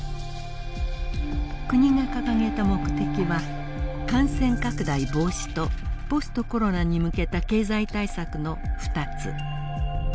国が掲げた目的は感染拡大防止とポストコロナに向けた経済対策の２つ。